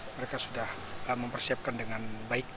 mereka sudah mempersiapkan dengan baik